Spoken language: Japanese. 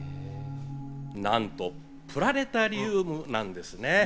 なんとプラネタリウムなんです。